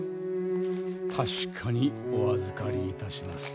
確かにお預かりいたします。